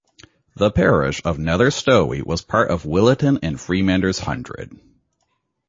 The parish of Nether Stowey was part of the Williton and Freemanners Hundred.